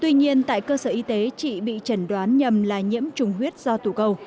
tuy nhiên tại cơ sở y tế chị bị trần đoán nhầm là nhiễm trùng huyết do tủ cầu